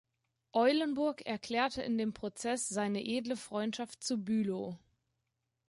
Eulenburg erklärte in dem Prozess seine edle Freundschaft zu Bülow.